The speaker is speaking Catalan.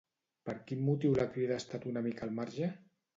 Per quin motiu la Crida ha estat una mica al marge?